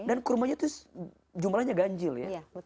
dan kurmanya itu jumlahnya ganjil ya